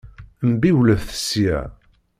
Mbiwlet sya!